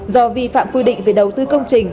do vi phạm quy định về đầu tư công trình